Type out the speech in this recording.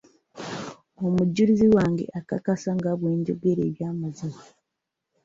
Omujulizi wange, akakasa nga bwe njogera eby'amazima.